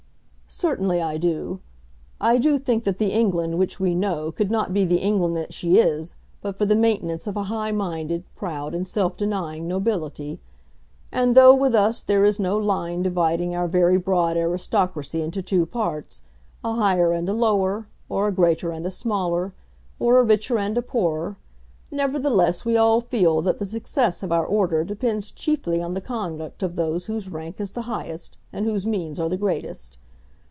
"Certainly I do. I do think that the England which we know could not be the England that she is but for the maintenance of a high minded, proud, and self denying nobility. And though with us there is no line dividing our very broad aristocracy into two parts, a higher and a lower, or a greater and a smaller, or a richer and a poorer, nevertheless we all feel that the success of our order depends chiefly on the conduct of those whose rank is the highest and whose means are the greatest.